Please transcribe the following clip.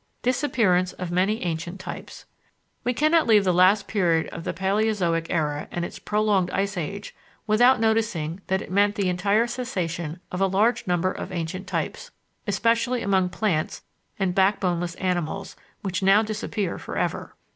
Disappearance of many Ancient Types We cannot leave the last period of the Palæozoic era and its prolonged ice age without noticing that it meant the entire cessation of a large number of ancient types, especially among plants and backboneless animals, which now disappear for ever.